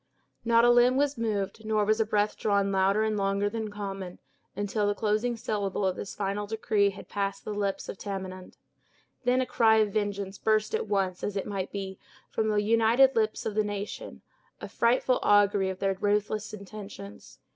Not a limb was moved, nor was a breath drawn louder and longer than common, until the closing syllable of this final decree had passed the lips of Tamenund. Then a cry of vengeance burst at once, as it might be, from the united lips of the nation; a frightful augury of their ruthless intentions.